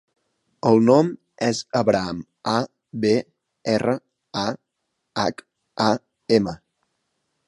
El nom és Abraham: a, be, erra, a, hac, a, ema.